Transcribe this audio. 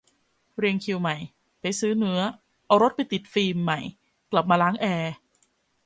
เรียงคิวใหม่ไปซื้อเนื้อเอารถไปติดฟิล์มใหม่กลับมาล้างแอร์